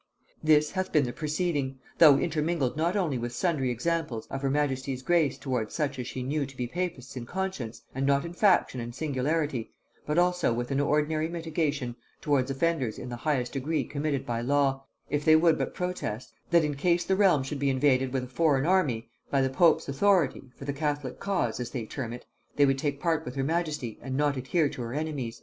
"This hath been the proceeding, though intermingled not only with sundry examples of her majesty's grace towards such as she knew to be papists in conscience, and not in faction and singularity, but also with an ordinary mitigation towards offenders in the highest degree committed by law, if they would but protest, that in case the realm should be invaded with a foreign army, by the Pope's authority, for the catholic cause, as they term it, they would take part with her majesty and not adhere to her enemies."